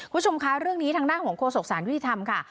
คุณชมค่ะเรื่องนี้ทางหน้าของโครสกศาลยุทธิธรรมค่ะ